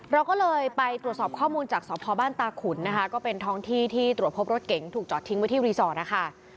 เราก็เลยไปตรวจสอบข้อมูลจากสพบ้านตาขุนนะคะก็เป็นท้องที่ที่ตรวจพบรถเก๋งถูกจอดทิ้งไว้ที่รีสอร์ทนะคะ